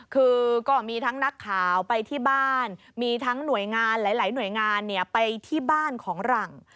คือก็มีทั้งนักข่าวไปที่บ้านมีทั้งหน่วยงานหลายหน่วยงานไปที่บ้านของหลัง